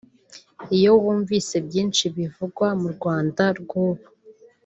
Iyo wumvise byinshi bivugwa mu Rwanda rw’ubu